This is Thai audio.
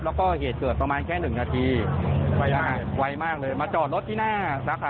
แล้วก็เหตุเกิดประมาณแค่หนึ่งนาทีไวมากไวมากเลยมาจอดรถที่หน้าสาขา